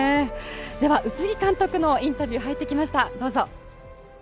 では、宇津木監督のインタビュー入ってきましたので、どうぞ。